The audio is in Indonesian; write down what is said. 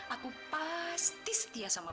aku pasti setia sama